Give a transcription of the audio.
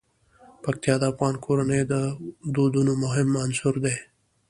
پکتیا د افغان کورنیو د دودونو مهم عنصر دی.